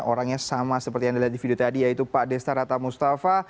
orangnya sama seperti yang dilihat di video tadi yaitu pak desta rata mustafa